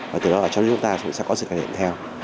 và từ đó là cho đến chúng ta sẽ có sự cải thiện theo